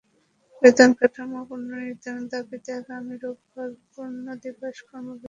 বেতন কাঠামো পুনর্নির্ধারণের দাবিতে আগামী রোববার পূর্ণদিবস কর্মবিরতি পালন করবেন পাবলিক বিশ্ববিদ্যালয়ের শিক্ষকেরা।